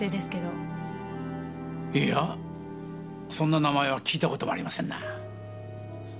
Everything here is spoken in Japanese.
いやそんな名前は聞いた事もありませんな。